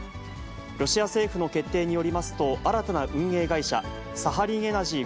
ロシア政府の決定によりますと、新たな運営会社、サハリンエナジー